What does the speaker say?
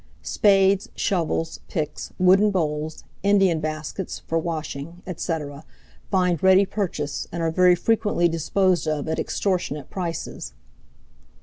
— Spades, shovels, picks, wooden bowls, Indian baskets (for washing), etc., find ready purchase, and are very frequently disposed of at extortionate prices.